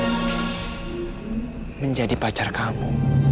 saya menjadi pacar kamu